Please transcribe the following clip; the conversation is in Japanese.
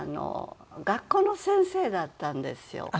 学校の先生だったんですよ。